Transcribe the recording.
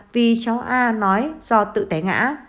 vì cháu a nói do tự té ngã